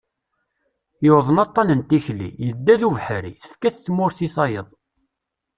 Yuḍen aṭan n tikli, yedda d ubeḥri, tefka-t tmurt i tayeḍ.